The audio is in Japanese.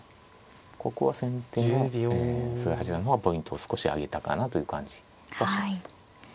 ここは先手の菅井八段の方はポイントを少しあげたかなという感じはします。